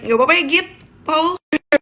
gak apa apa ya gita paul